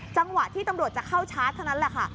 จังหวะที่ตำรวจจะเข้าชาร์จเท่านั้นแหละค่ะ